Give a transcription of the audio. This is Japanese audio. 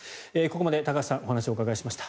ここまで高橋さんにお話を伺いました。